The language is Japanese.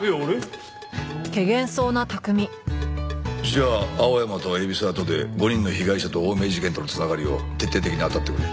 じゃあ青山と海老沢とで５人の被害者と青梅事件との繋がりを徹底的に当たってくれ。